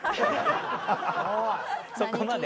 そこまで？